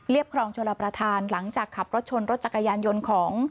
ครองชลประธานหลังจากขับรถชนรถจักรยานยนต์ของ